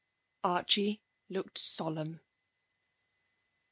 Archie looked solemn.